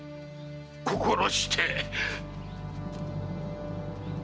心して！